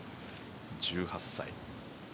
１８歳。